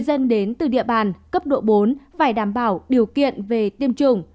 dân đến từ địa bàn cấp độ bốn phải đảm bảo điều kiện về tiêm chủng